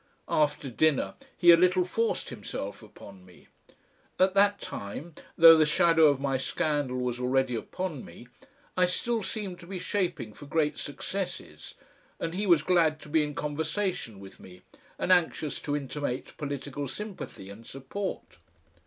After dinner he a little forced himself upon me. At that time, though the shadow of my scandal was already upon me, I still seemed to be shaping for great successes, and he was glad to be in conversation with me and anxious to intimate political sympathy and support.